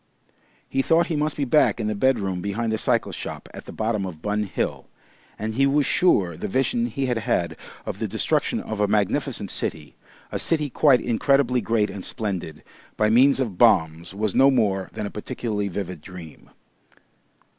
He thought he must be back in the bedroom behind the cycle shop at the bottom of Bun Hill, and he was sure the vision he had had of the destruction of a magnificent city, a city quite incredibly great and splendid, by means of bombs, was no more than a particularly vivid dream.